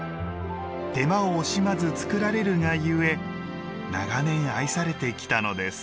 手間を惜しまず作られるがゆえ長年愛されて来たのです。